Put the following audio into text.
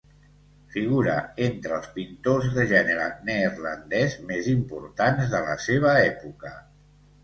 Figura entre els pintors de gènere neerlandès més importants de la seva època.